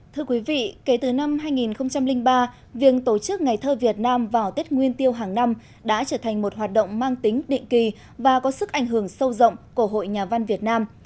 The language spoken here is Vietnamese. thưa quý vị kể từ năm hai nghìn ba việc tổ chức ngày thơ việt nam vào tết nguyên tiêu hàng năm đã trở thành một hoạt động mang tính định kỳ và có sức ảnh hưởng sâu rộng của hội nhà văn việt nam